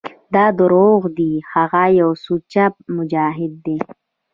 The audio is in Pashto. دا دروغ دي هغه يو سوچه مجاهد دى.